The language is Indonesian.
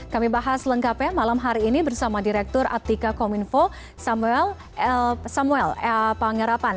kami bahas lengkapnya malam hari ini bersama direktur aptika kominfo samuel pangerapan